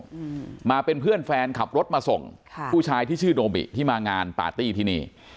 อืมมาเป็นเพื่อนแฟนขับรถมาส่งค่ะผู้ชายที่ชื่อโนบิที่มางานปาร์ตี้ที่นี่